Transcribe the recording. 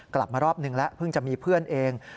กลับมารอบนึงแล้วเพิ่งจะมีเพื่อนเอง